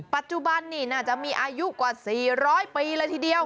ปัจจุบันนี่น่าจะมีอายุกว่า๔๐๐ปีเลยทีเดียว